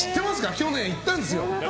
去年行ったんですよ。